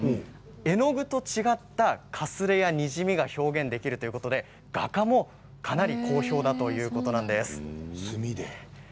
絵の具と違ったかすれやにじみが表現できるということで画家もかなり好評だということです。